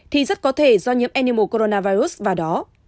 thì rất có thể do nhiễm animal coronavirus và đó